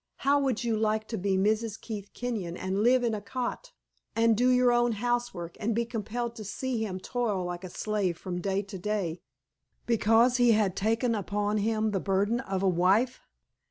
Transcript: How would you like to be Mrs. Keith Kenyon and live in a cot, and do your own housework, and be compelled to see him toil like a slave from day to day, because he had taken upon him the burden of a wife?